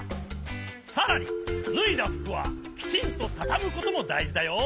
さらにぬいだふくはきちんとたたむこともだいじだよ。